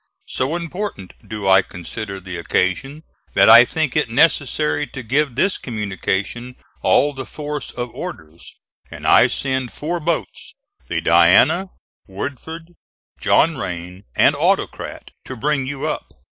So important do I consider the occasion that I think it necessary to give this communication all the force of orders, and I send four boats, the Diana, Woodford, John Rain, and Autocrat, to bring you up.